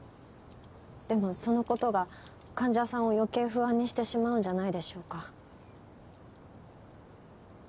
でもその事が患者さんを余計不安にしてしまうんじゃないでしょうか。